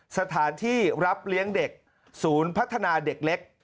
สถานที่รับเลี้ยงเด็กศูนย์พัฒนาเด็กเล็ก